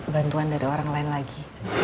bantuan dari orang lain lagi